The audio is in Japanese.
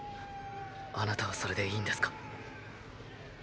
あなたはそれでいいんですか？